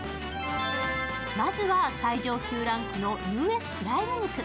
まずは、最上級ランクのＵＳプライム肉。